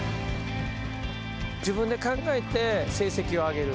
自分で考えて成績を上げる。